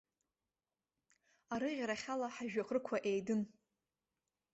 Арыӷьарахьала ҳажәҩахырқәа еидын.